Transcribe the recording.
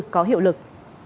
có hiệu lực